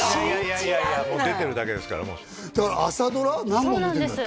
いやいや出てるだけですからだから朝ドラ何本出てるんだっけ？